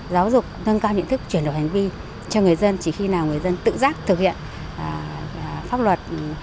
giáo dục nâng cao nhận thức chuyển đổi hành vi cho người dân chỉ khi nào người dân tự giác thực hiện pháp luật